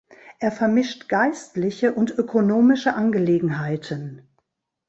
Er vermischt geistliche und ökonomische Angelegenheiten.